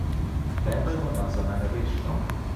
Де би вона за мене вийшла?